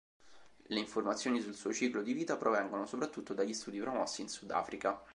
Le informazioni sul suo ciclo di vita provengono soprattutto dagli studi promossi in Sudafrica.